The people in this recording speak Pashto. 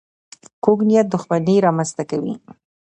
کوږ نیت دښمني رامنځته کوي